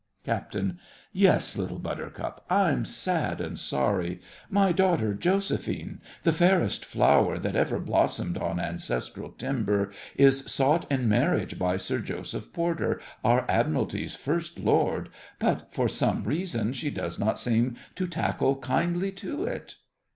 CAPT. Yes, Little Buttercup, I'm sad and sorry— My daughter, Josephine, the fairest flower That ever blossomed on ancestral timber, Is sought in marriage by Sir Joseph Porter, Our Admiralty's First Lord, but for some reason She does not seem to tackle kindly to it.